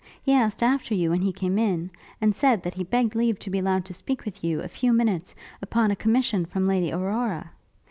He asked after you, when he came in, and said that he begged leave to be allowed to speak with you, a few minutes, upon a commission from Lady Aurora.